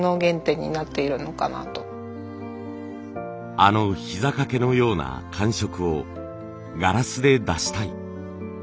あのひざかけのような感触をガラスで出したい。